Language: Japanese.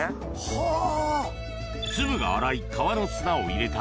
はぁ。